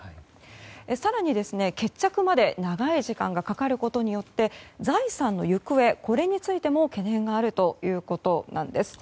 更に決着まで長い時間がかかることによって財産の行方についても懸念があるということです。